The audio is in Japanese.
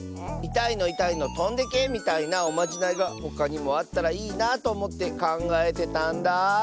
「いたいのいたいのとんでけ」みたいなおまじないがほかにもあったらいいなあとおもってかんがえてたんだ。